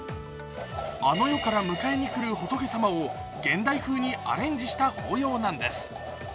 あの世から迎えに来る仏様を現代風にアレンジした法要なんです。